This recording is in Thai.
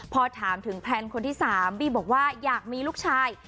พอถามถึงแพลนคนที่๓บีบอกว่าอยากมีลูกชาย